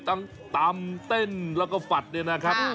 ตำเต้นแล้วก็ฝัดเนี่ยนะครับ